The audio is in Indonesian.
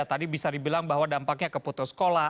tadi bisa dibilang bahwa dampaknya keputus sekolah